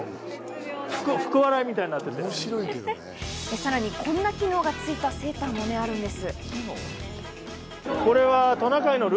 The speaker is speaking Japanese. さらにこんな機能がついたセーターもあるんです。